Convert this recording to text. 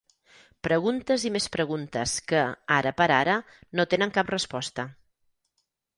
Preguntes i més preguntes que, ara per ara, no tenen cap resposta.